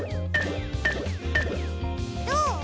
どう？